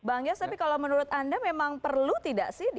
bang yos tapi kalau menurut anda memang perlu tidak sih